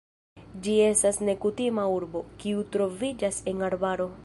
Ĝi estas nekutima urbo, kiu troviĝas en arbaro.